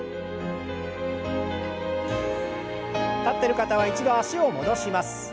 立ってる方は一度脚を戻します。